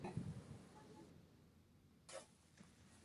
Le sucedió en el puesto su hijo Jerónimo.